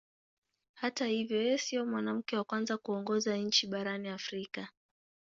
Hata hivyo yeye sio mwanamke wa kwanza kuongoza nchi barani Afrika.